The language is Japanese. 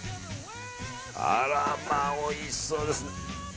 あらま、おいしそうです。